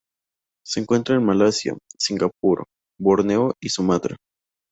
Se encuentra en Malasia, Singapur, Borneo y Sumatra.